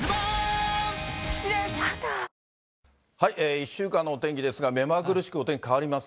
１週間のお天気ですが、目まぐるしくお天気変わります。